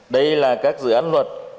đây là các dự án luật